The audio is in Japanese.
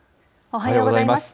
おはようございます。